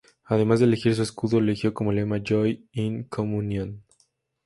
Además de elegir su escudo, eligió como lema: "Joy in communion".